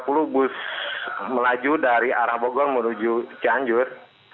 pukul sepuluh tiga puluh bus melaju dari arah bogor menuju canjur